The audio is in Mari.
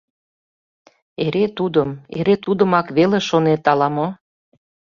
Эре тудым... эре тудымак веле шонет ала-мо?